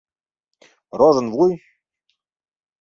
Рожын вуй!